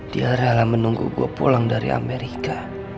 dia rela menunggu gue pulang dari amerika